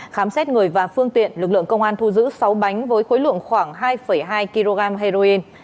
khám xét người và phương tiện lực lượng công an thu giữ sáu bánh với khối lượng khoảng hai hai kg heroin